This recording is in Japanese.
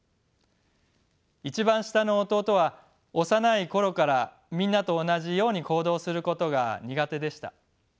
一番下の弟は幼い頃からみんなと同じように行動することが苦手でした。